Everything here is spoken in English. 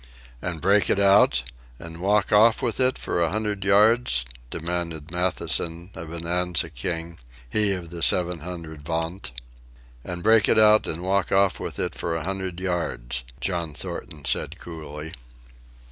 "And break it out? and walk off with it for a hundred yards?" demanded Matthewson, a Bonanza King, he of the seven hundred vaunt. "And break it out, and walk off with it for a hundred yards," John Thornton said coolly.